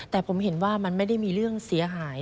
แต่ผมเห็นว่ามันไม่ได้มีเรื่องเสียหาย